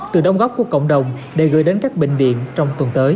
từ đông góc của cộng đồng để gửi đến các bệnh viện trong tuần tới